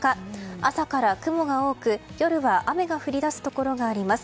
朝から雲が多く、夜は雨が降り出すところがあります。